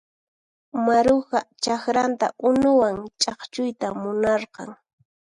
Maruja chakranta unuwan ch'akchuyta munarqan.